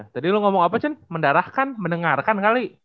tadi lu ngomong apa cun mendarakan mendengarkan kali